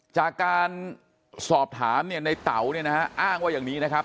จากการสอบถามในเต๋านี่นะอ้างว่าอย่างนี้นะครับ